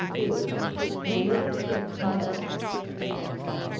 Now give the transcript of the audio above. THE LITTLE SICK CHILD.